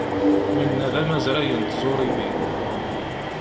Winna d amazray n tẓuriwin.